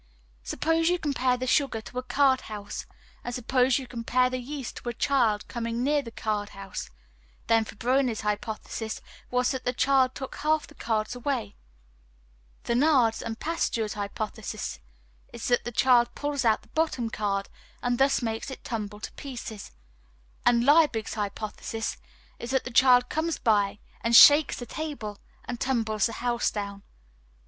Suppose you compare the sugar to a card house, and suppose you compare the yeast to a child coming near the card house, then Fabroni's hypothesis was that the child took half the cards away; Thenard's and Pasteur's hypothesis is that the child pulls out the bottom card and thus makes it tumble to pieces; and Liebig's hypothesis is that the child comes by and shakes the table and tumbles the house down.